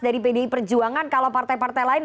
dari pdi perjuangan kalau partai partai lain